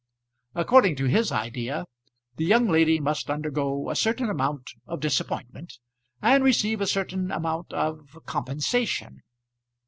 According to his idea the young lady must undergo a certain amount of disappointment, and receive a certain amount of compensation.